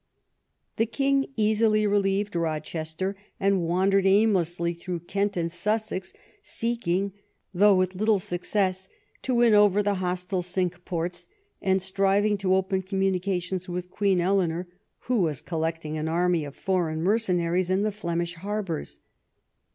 The king easily relieved Rochester, and wandered aimlessly through Kent and Sussex, seeking, though with little success, to win over the hostile Cinque Ports, and striving to open communications with Queen Eleanor, who was collecting an army of foreign mercenaries in the Flemish harbours.